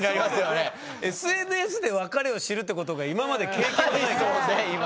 ＳＮＳで別れを知るってことが今まで経験がないから。